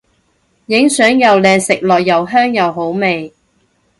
影相又靚食落又香又好味